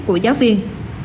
của giáo viên